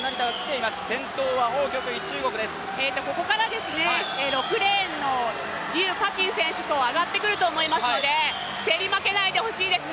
ここから６レーンの柳雅欣選手が上がってくると思いますので競り負けないでほしいと思います。